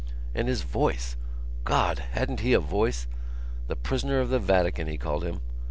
And his voice! God! hadn't he a voice! The Prisoner of the Vatican, he called him.